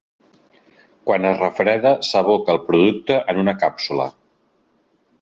Quan es refreda s'aboca el producte en una càpsula.